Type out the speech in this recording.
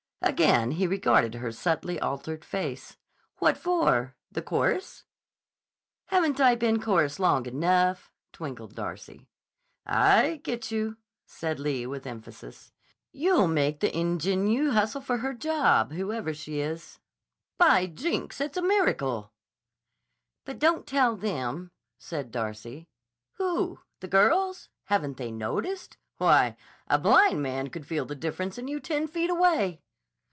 Again he regarded her subtly altered face. "What for? The chorus?" "Haven't I been chorus long enough?" twinkled Darcy. "I get you," said Lee with emphasis. "You'll make the ingénue hustle for her job, whoever she is. By Jinks, it's a miracle!" "But don't tell them," said Darcy. "Who? The girls? Haven't they noticed? Why, a blind man could feel the difference in you ten feet away."